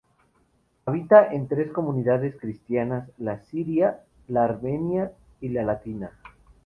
Había tres comunidades cristianas: la siria, la armenia y la latina.